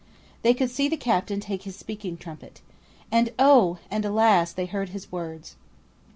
They could see the captain take his speaking trumpet. And oh! and alas! they heard his words.